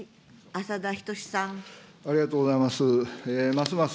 ありがとうございます。